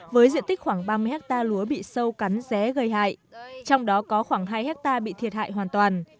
với diện tích khoảng ba mươi hectare lúa bị sâu cắn dé gây hại trong đó có khoảng hai hectare bị thiệt hại hoàn toàn